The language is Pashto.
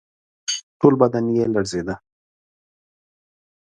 ټول بدن یې لړزېده.